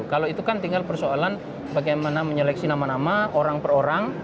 kalau itu kan tinggal persoalan bagaimana menyeleksi nama nama orang per orang